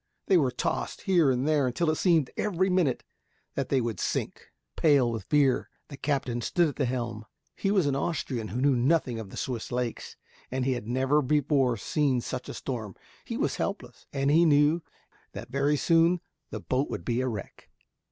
They were tossed here and there, until it seemed every minute that they would sink. Pale with fear, the captain stood at the helm. He was an Austrian who knew nothing of the Swiss lakes, and he had never before been in such a storm. He was helpless, and he knew that very soon the boat would be a wreck.